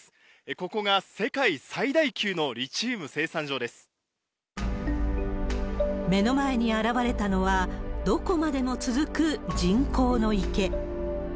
ここが世界最大級のリチウム生産目の前に現れたのは、どこまでも続く人工の池。